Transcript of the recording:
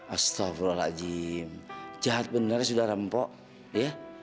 astagfirullahaladzim jahat benernya sudara mpok ya